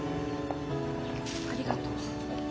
ありがとう。